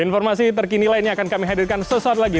informasi terkini lainnya akan kami hadirkan sesaat lagi